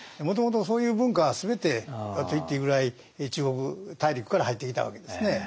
もともとそういう文化は全てだと言っていいぐらい中国大陸から入ってきたわけですね。